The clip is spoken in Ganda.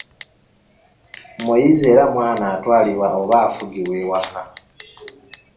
Muyizi era mwana atwalibwa oba afugibwa ewaka